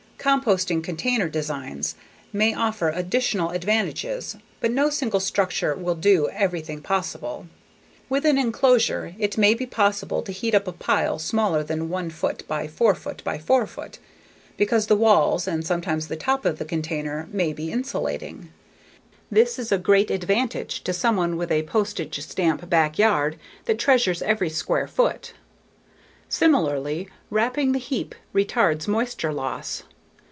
Composting container designs may offer additional advantages but no single structure will do everything possible. With an enclosure, it may be possible to heat up a pile smaller than 1' x 4' x 4' because the walls and sometimes the top of the container may be insulating. This is a great advantage to someone with a postage stamp backyard that treasures every square foot. Similarly, wrapping the heap retards moisture loss.